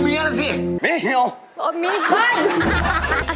เมียล่ะสิเมียลโอ้เมียล่ะสิ